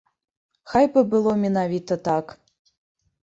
Хай бы было менавіта так!